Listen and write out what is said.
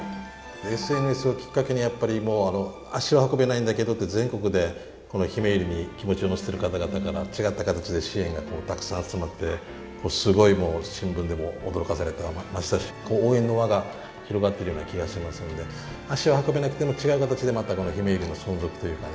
ＳＮＳをきっかけにやっぱりもう足は運べないんだけどって全国でこのひめゆりに気持ちを寄せてる方々から違った形で支援がたくさん集まってすごい新聞でも驚かされましたし応援の輪が広がっているような気がしますんで足を運べなくても違う形でまたこのひめゆりの存続というかね